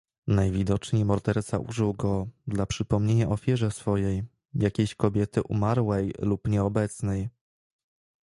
"Najwidoczniej morderca użył go dla przypomnienia ofierze swojej jakiejś kobiety umarłej lub nieobecnej."